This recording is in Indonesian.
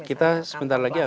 kita sebentar lagi akan